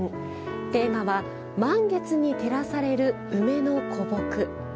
テーマは満月に照らされる梅の古木。